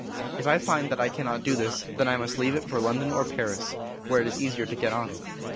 "If I find that I cannot do this, then I must leave it for London or Paris, where it is easier to get on.